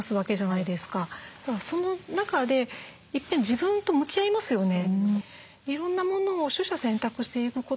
その中でいっぺん自分と向き合いますよね。